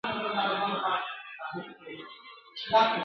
هر غښتلی چي کمزوری سي نو مړ سي !.